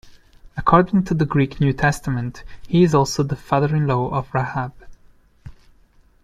According to the Greek New Testament, he is also the father-in-law of Rahab.